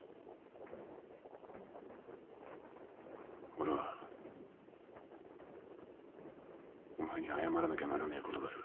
俺はお前に謝らなきゃならねえことがある。